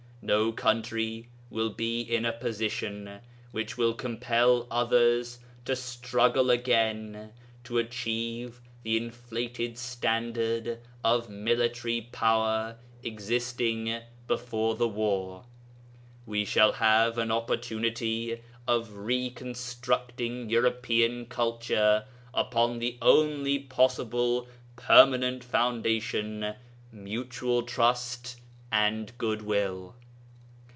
No country will be in a position which will compel others to struggle again to achieve the inflated standard of military power existing before the war. We shall have an opportunity of reconstructing European culture upon the only possible permanent foundation mutual trust and good will.